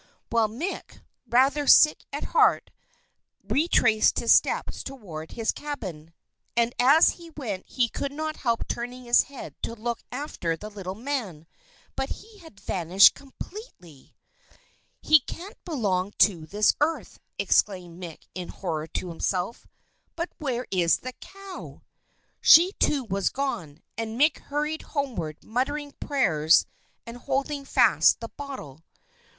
Well, Mick, rather sick at heart, retraced his steps toward his cabin, and as he went he could not help turning his head to look after the little man; but he had vanished completely. "He can't belong to this earth," exclaimed Mick in horror to himself. "But where is the cow?" She, too, was gone; and Mick hurried homeward muttering prayers and holding fast the bottle.